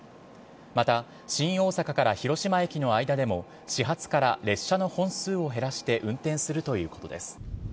また、新大阪から広島駅の間でも、始発から列車の本数を減らして運転するということです。